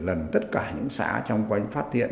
lần tất cả những xã trong quanh phát hiện